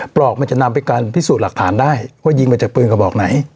ปลอกมันจะนำไปการพิสูจน์หลักฐานได้ว่ายิงมาจากปืนกระบอกไหน